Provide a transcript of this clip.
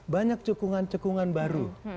banyak cekungan cekungan baru